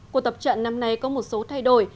cuộc tập trận năm nay có một số thay đổi